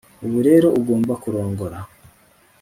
ubu rero ugomba kurongora